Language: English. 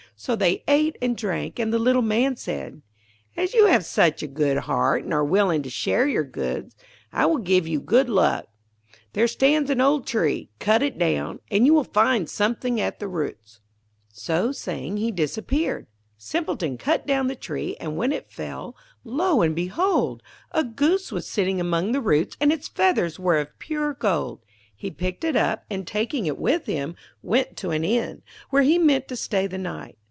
So they ate and drank, and the little Man said, 'As you have such a good heart, and are willing to share your goods, I will give you good luck. There stands an old tree; cut it down, and you will find something at the roots.' [Illustration: So now there were seven people running behind Simpleton and his Goose.] So saying he disappeared. Simpleton cut down the tree, and when it fell, lo, and behold! a Goose was sitting among the roots, and its feathers were of pure gold. He picked it up, and taking it with him, went to an inn, where he meant to stay the night.